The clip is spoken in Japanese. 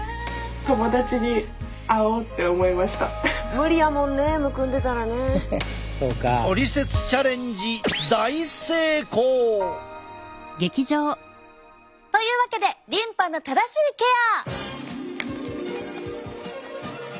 無理やもんねむくんでたらね！というわけで「リンパの正しいケア」！